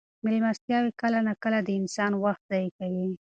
مېلمستیاوې کله ناکله د انسان وخت ضایع کوي.